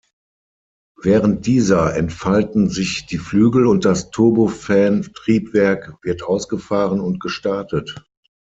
Während dieser entfalten sich die Flügel und das Turbofan-Triebwerk wird ausgefahren und gestartet.